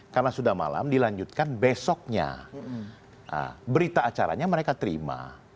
karena sudah malam dilanjutkan besoknya berita acaranya mereka terima